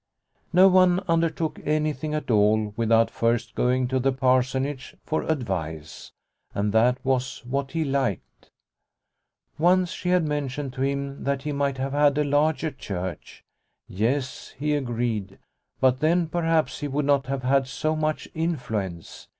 No one undertook anything at all without first going to the Parsonage for advice, and that was what he liked. Once she had mentioned ioo Liliecrona's Home to him that he might have had a larger church. Yes, he agreed, but then perhaps he would not have had so much influence.